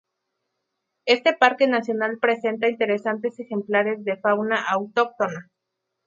Este parque nacional presenta interesantes ejemplares de fauna autóctona.